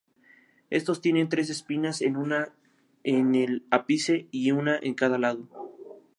Estos tienen tres espinas, una en el ápice y una en cada lado.